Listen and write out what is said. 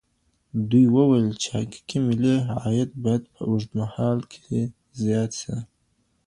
دوی وويل چي حقيقي ملي عايد بايد په اوږدمهال کي زيات سي.